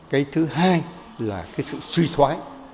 cái thứ hai là cái sự suy thoái